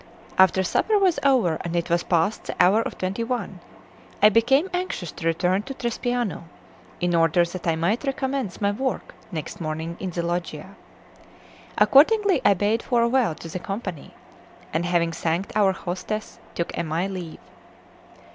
After supper was over, and it was past the hour of twenty one, I became anxious to return to Trespiano, in order that I might recommence my work next morning in the Loggia. Accordingly I bade farewell to all the company, and having thanked our hostess, took my leave.